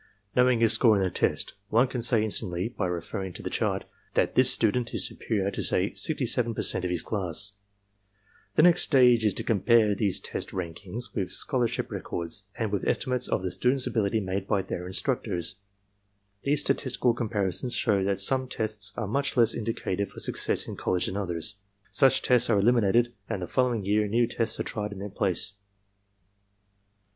Know ing his score in the test, one can say instantly, by reference to the chart, that this student is superior to say 67% of his class. "The next stage is to compare these test rankings with scholarship records and with estimates of the students' ability made by their instructors. These statistical comparisons show that some tests are much less indicative of success in college than others. Such tests are eliminated and the following year new tests are tried in their place.